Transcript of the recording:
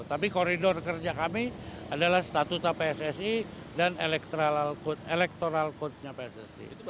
tapi koridor kerja kami adalah statuta pssi dan electoral code nya pssi